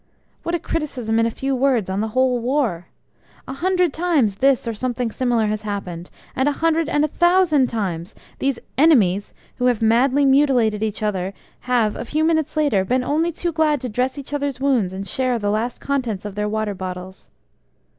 What a criticism in a few words on the whole War! A hundred times this or something similar has happened, and a hundred and a thousand times these 'enemies' who have madly mutilated each other have a few minutes later been only too glad to dress each other's wounds and share the last contents of their water bottles.